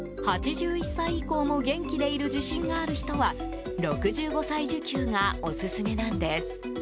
８１歳以降も元気でいる自信がある人は６５歳受給がオススメなんです。